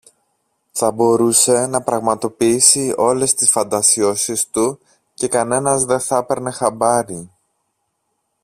Θα μπορούσε να πραγματοποιήσει όλες τις φαντασιώσεις του και κανένας δε θα ´παιρνε χαμπάρι